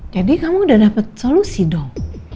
jadi kamu udah dapet solusi dong